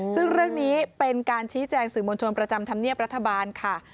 ซึ่งเรื่องนี้เป็นการชี้แจงสื่อมวลชนประจำธรรมเนียบรัฐบาลค่ะ